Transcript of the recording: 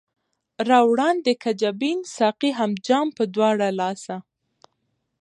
را وړاندي که جبين ساقي هم جام پۀ دواړه لاسه